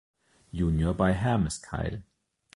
Junior bei Hermeskeil.